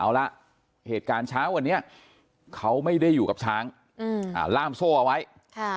เอาละเหตุการณ์เช้าวันนี้เขาไม่ได้อยู่กับช้างอืมอ่าล่ามโซ่เอาไว้ค่ะ